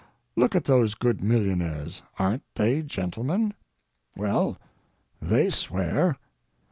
Look at those good millionaires; aren't they gentlemen? Well, they swear.